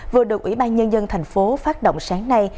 vừa được ủy ban nhân dân thành phố phát động sáng nay